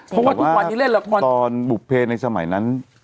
เพราะว่าทุกวันนี้เล่นละครตอนบุภเพในสมัยนั้น